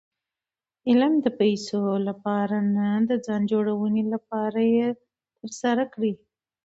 علم د پېسو له پاره نه، د ځان جوړوني له پاره ئې ترسره کړئ.